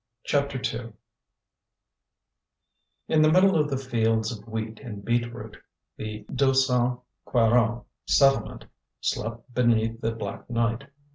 CHAPTER II In the middle of the fields of wheat and beetroot, the Deux Cent Quarante settlement slept beneath the black night.